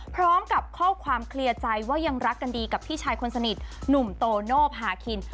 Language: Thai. พร้อมกับข้อความเคลียร์ใจว่ายังรักกันดีกับพี่ชายคนสนิทหนุ่มโตโน่พาคิน